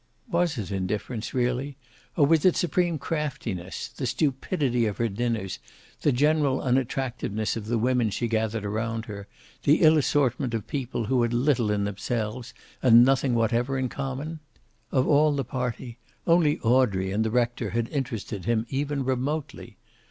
Was it indifference, really, or was it supreme craftiness, the stupidity of her dinners, the general unattractiveness of the women she gathered around her, the ill assortment of people who had little in themselves and nothing whatever in common? Of all the party, only Audrey and the rector had interested him even remotely.